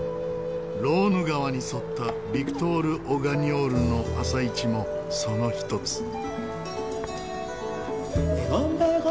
ローヌ川に沿ったヴィクトール・オガニョールの朝市もその一つ。